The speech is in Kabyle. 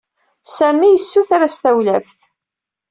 Sami yessuter-as tawlaft.